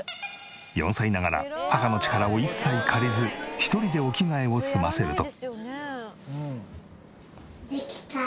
４歳ながら母の力を一切借りず１人でお着替えを済ませると。